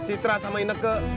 citra sama ineke